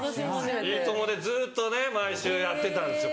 『いいとも！』でずっとね毎週やってたんですよ